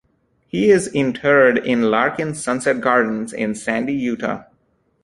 He is interred in Larkin Sunset Gardens in Sandy, Utah.